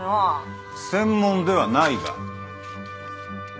専門ではないが。